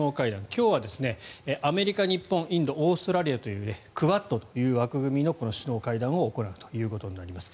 今日はアメリカ、日本、インドオーストラリアというクアッドという枠組みの首脳会談を行うことになります。